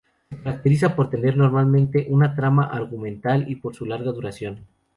Se caracterizan por tener normalmente una trama argumental y por su larga duración.